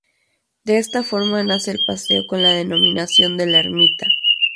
De esta forma nace el paseo con la denominación de la ermita.